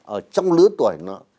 ở trong lứa tuổi nó